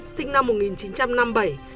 sinh năm một nghìn chín trăm năm mươi bảy